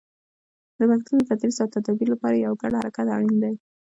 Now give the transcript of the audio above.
د پښتو د تدریس او تدابیر لپاره یو ګډ حرکت اړین دی.